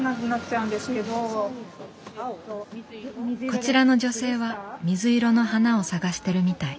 こちらの女性は水色の花を探してるみたい。